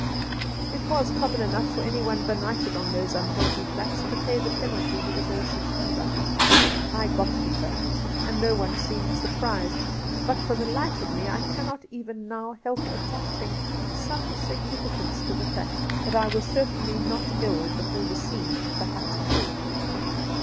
It was common enough for anyone benighted on those unhealthy flats to pay the penalty with a dose of fever. I got fever, and no one seemed surprised ; but for the life of me I cannot even now help attaching some significance to the fact that I was certainly not ill before the scene at the hut door.